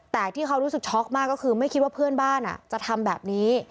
แต่ที่เขารู้สึกช็อกมากก็คือไม่คิดว่าเพื่อนบ้านจะทำแบบนี้